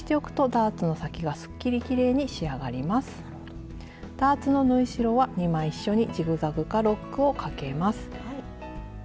ダーツの縫い代は２枚一緒にジグザグかロックをかけます。